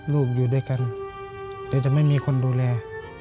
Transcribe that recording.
อยู่ด้วยกันแต่จะไม่มีคนดูแล